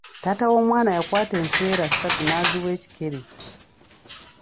Taata w'omwana yakwata enswera ssatu n'aziiwa ekikere.